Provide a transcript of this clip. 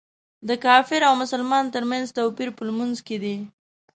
د کافر او مسلمان تر منځ توپیر په لمونځ کې دی.